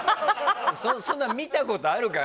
そんな見たことあるか。